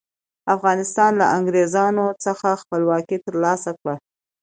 افغانستان له انګریزانو څخه خپلواکي تر لاسه کړه.